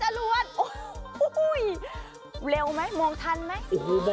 เร็วไหมมองทันไหม